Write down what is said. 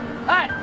はい。